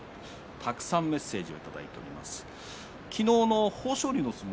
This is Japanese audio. たくさんメッセージをいただいています。